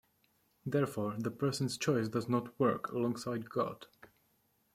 Therefore, the person's choice does not "work" alongside God.